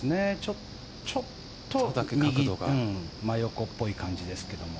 ちょっと角度が右、真横っぽい感じですけどね。